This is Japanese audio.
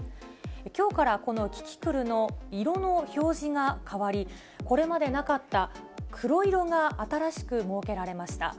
きょうから、このキキクルの色の表示が変わり、これまでなかった黒色が新しく設けられました。